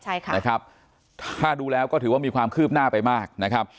ใช่ค่ะนะครับถ้าดูแล้วก็ถือว่ามีความคืบหน้าไปมากนะครับ